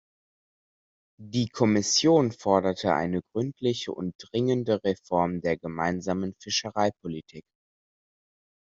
Die Kommission forderte eine gründliche und dringende Reform der Gemeinsamen Fischereipolitik.